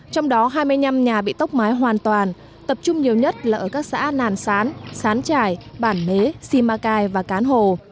trong đó hai mươi năm nhà bị tốc mái hoàn toàn tập trung nhiều nhất là ở các xã nàn sán sán trải bản nế simacai và cán hồ